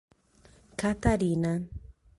Catarina